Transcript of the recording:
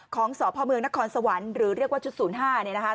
ของสพเมนนสวันหรือเรียกว่าชุดศูนย์ห้าเนี่ยนะคะ